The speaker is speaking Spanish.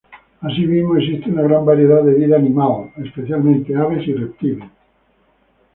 Asimismo existe una gran variedad de vida animal, especialmente aves y reptiles.